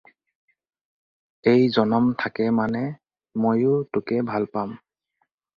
এই জনম থাকে মানে মইও তোকে ভাল পাম।